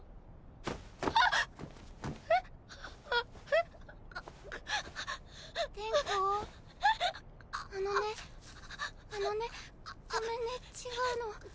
あのねあのねごめんね違うの。